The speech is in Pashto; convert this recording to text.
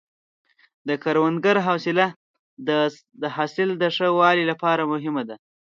د کروندګر حوصله د حاصل د ښه والي لپاره مهمه ده.